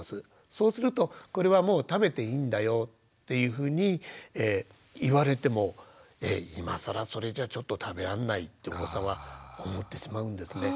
そうするとこれはもう食べていいんだよっていうふうに言われてもえっ今更それじゃちょっと食べらんないってお子さんは思ってしまうんですね。